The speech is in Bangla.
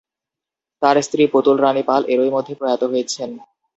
তার স্ত্রী পুতুল রাণী পাল এরই মধ্যে প্রয়াত হয়েছেন।